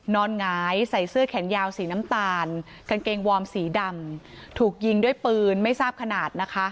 หงายใส่เสื้อแขนยาวสีน้ำตาลกางเกงวอร์มสีดำถูกยิงด้วยปืนไม่ทราบขนาดนะคะ